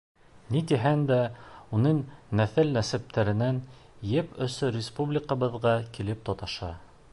Ни тиһәң дә, уның нәҫел-нәсәптәренең еп осо республикабыҙға килеп тоташа.